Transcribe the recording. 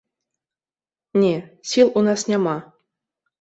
Не, сіл у нас няма.